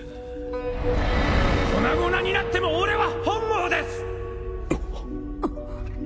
粉々になっても俺は本望です！